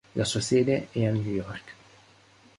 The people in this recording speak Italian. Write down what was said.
La sua sede è a New York.